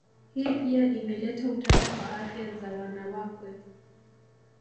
Hii pia imeleta utata kwa afya za wanawakwe